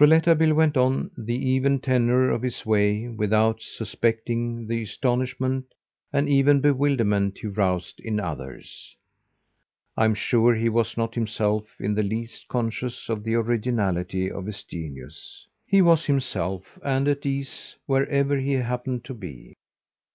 Rouletabille went on the even tenor of his way without suspecting the astonishment and even bewilderment he roused in others. I am sure he was not himself in the least conscious of the originality of his genius. He was himself and at ease wherever he happened to be.